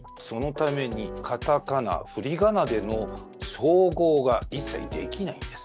そのために片仮名、ふりがなでの照合が一切できないんです。